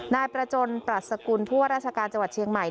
นายประจนปรัชกุลผู้ว่าราชการจังหวัดเชียงใหม่